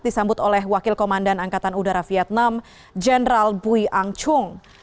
disambut oleh wakil komandan angkatan udara vietnam general bui ang chung